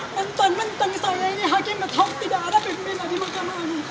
menteng menteng saya ini hakim betul tidak ada pembina di mahkamah ini